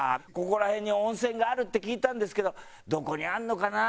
ここら辺に温泉があるって聞いたんですけどどこにあるのかな？